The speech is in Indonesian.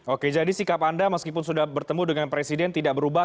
oke jadi sikap anda meskipun sudah bertemu dengan presiden tidak berubah